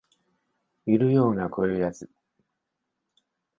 いるよなこういうやつ